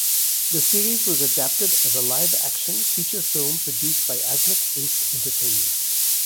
The series was adapted as a live-action feature film produced by Asmik Ace Entertainment.